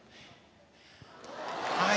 はい。